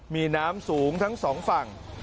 มีน้ำสูงทั้งสองฝั่ง